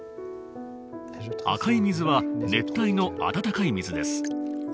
赤い水は熱帯の温かい水です。